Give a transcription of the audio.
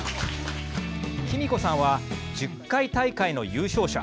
きみ子さんは１０回大会の優勝者。